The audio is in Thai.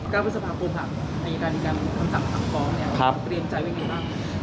เกาะวันสภาปวงค์ในการครับมีคำถามทั้ง๒เนี่ยก็เปลี่ยนจัยว่ากันดีบ้าง